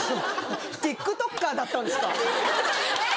ＴｉｋＴｏｋｅｒだったんですか。